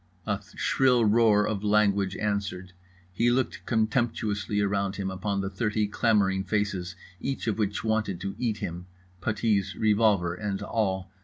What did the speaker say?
A shrill roar of language answered. He looked contemptuously around him, upon the thirty clamouring faces each of which wanted to eat him—puttees, revolver and all.